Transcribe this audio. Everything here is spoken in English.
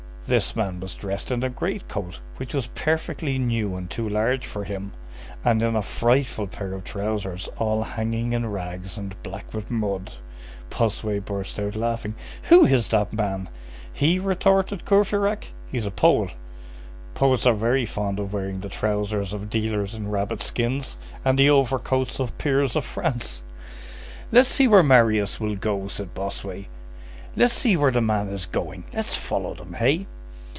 This man was dressed in a great coat which was perfectly new and too large for him, and in a frightful pair of trousers all hanging in rags and black with mud. Bossuet burst out laughing. "Who is that man?" "He?" retorted Courfeyrac, "he's a poet. Poets are very fond of wearing the trousers of dealers in rabbit skins and the overcoats of peers of France." "Let's see where Marius will go," said Bossuet; "let's see where the man is going, let's follow them, hey?"